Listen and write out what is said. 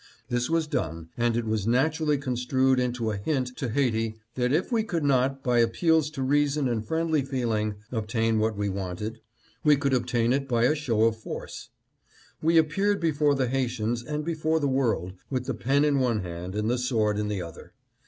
This was done, and it was naturally construed into a hint to Haiti that if we could not, by appeals to reason and friendly feeling, obtain what we wanted, we could obtain it by a show of force. We appeared before the Haitians, and before the world, with the pen in one hand and the sword in the other.